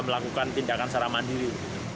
melakukan tindakan secara mandiri